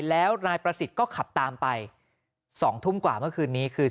แล้วนายประสิทธิ์ก็ขับตามไป๒ทุ่มกว่าเมื่อคืนนี้คือ